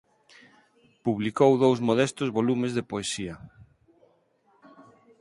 Publicou dous modestos volumes de poesía.